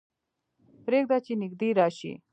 پرېږده چې نږدې راشي.